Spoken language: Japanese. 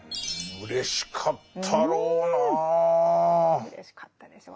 うれしかったでしょうね。